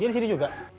dia disini juga